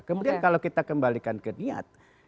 kemudian kalau kita kembalikan ke niat